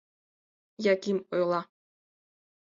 — Яким ойла.